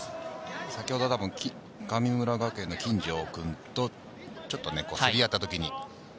先ほど神村学園の金城君とちょっと競り合った時に。